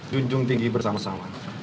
junjung tinggi bersama sama